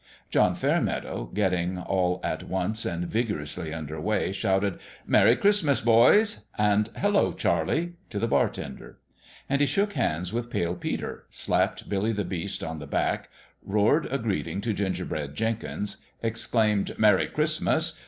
John Fairmeadow, getting all at once and vigor ously under way, shouted " Merry Christmas, boys !" and " Hello, Charlie !" to the bartender ; and he shook hands with Pale Peter, slapped Billy the Beast on the back, roared a greeting to Gingerbread Jenkins, exclaimed " Merry Christmas